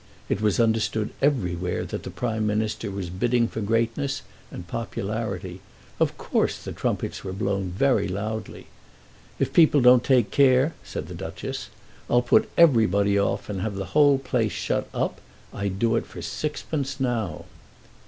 It was understood everywhere that the Prime Minister was bidding for greatness and popularity. Of course the trumpets were blown very loudly. "If people don't take care," said the Duchess, "I'll put everybody off and have the whole place shut up. I'd do it for sixpence, now."